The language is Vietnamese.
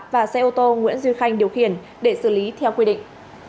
và xe ô tô nguyễn duy khanh điều khiển để xử lý theo quy định